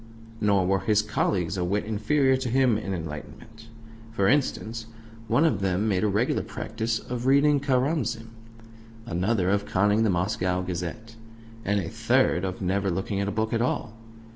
Nor were his colleagues a wit inferior to him in enlightenment. For instance, one of them made a regular practice of reading Karamzin, another of conning the Moscow Gazette, and a third of never looking at a book at all.